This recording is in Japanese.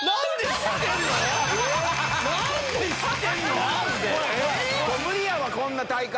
ピンポン無理やわこんな大会。